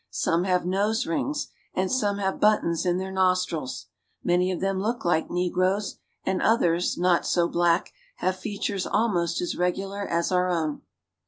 Some have nose rings, and some have buttons in their nostrils. Many of them look like negroes, and others, not so black, have features almost as regular as our own.